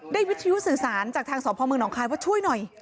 วิทยุสื่อสารจากทางสพมหนองคายว่าช่วยหน่อย